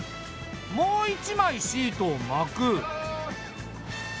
もう一枚シートを巻く。